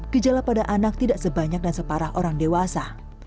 gejala pada anak tidak sebanyak dan separah orang dewasa